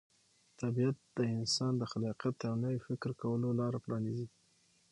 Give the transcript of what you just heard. طبیعت د انسان د خلاقیت او نوي فکر کولو لاره پرانیزي.